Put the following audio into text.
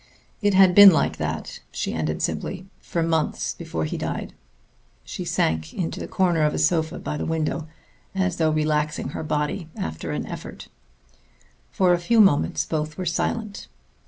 "It had been like that," she ended simply, "for months before he died." She sank into the corner of a sofa by the window, as though relaxing her body after an effort. For a few moments both were silent.